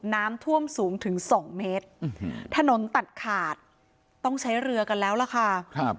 น้ำท่วมสูงถึงสองเมตรถนนตัดขาดต้องใช้เรือกันแล้วล่ะค่ะครับ